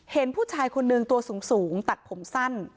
เห็นผู้ชายคนนึงตัวสูงตัดผมสั้น